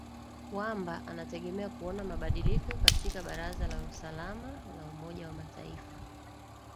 wamba anategemea kuona mabadiliko katika baraza la usalama la umoja wa mataifa